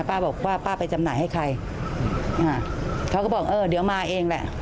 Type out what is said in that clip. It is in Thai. ป้าบอกว่าป้าไปจำหน่ายให้ใครอ่าเขาก็บอกเออเดี๋ยวมาเองแหละ